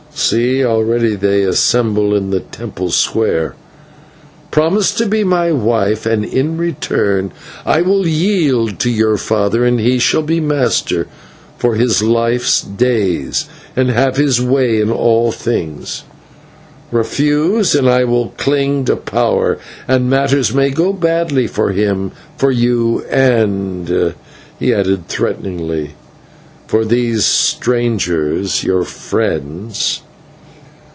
See, already they assemble in the temple square. Promise to be my wife, and in return I will yield to your father and he shall be master for his life's days and have his way in all things. Refuse, and I will cling to power, and matters may go badly for him, for you, and " he added threateningly, "for these strangers, your friends."